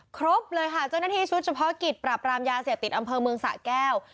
ครบเลยค่ะเจ้าหน้าที่ชุดเฉพาะกิจปราบรามยาเสพติดอำเภอเมืองสะแก้ว